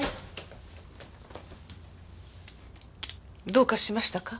どうかしましたか？